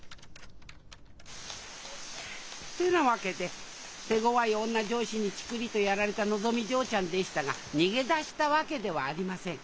ってな訳で手ごわい女上司にチクリとやられたのぞみ嬢ちゃんでしたが逃げ出したわけではありません。